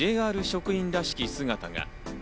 職員らしき姿が。